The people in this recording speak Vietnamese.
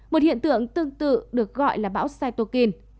một hiện tượng tương tự được gọi là bão saitukin